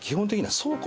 倉庫。